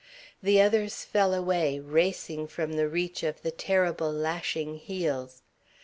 The others fell away, racing from the reach of the terrible lashing heels.